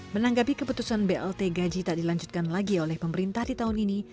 menanggapi keputusan blt gaji tak dilanjutkan lagi oleh pemerintah di tahun ini